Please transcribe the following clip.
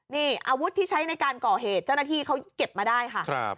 นี่อาวุธที่ใช้ในการก่อเหตุเจ้าหน้าที่เขาเก็บมาได้ค่ะ